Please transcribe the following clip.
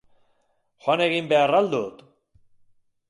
Joan egin behar al dut?